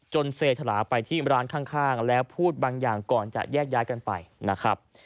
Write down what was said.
เศรษฐาไปที่ร้านข้างแล้วพูดบางอย่างก่อนจะแยกย้ายกันไปนะครับ